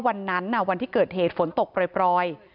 วันนั้นวันที่เกิดเหตุฝนตกปล่อย